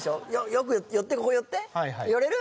よく寄ってここ寄って寄れる？